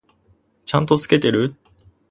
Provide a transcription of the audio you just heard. ちゃんと付けてる？